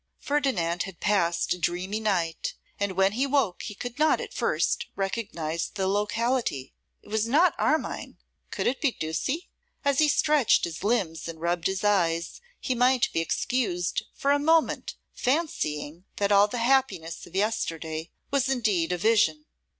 Ferdinand had passed a dreamy night, and when he woke he could not at first recognise the locality. It was not Armine. Could it be Ducie? As he stretched his limbs and rubbed his eyes, he might be excused for a moment fancying that all the happiness of yesterday was indeed a vision.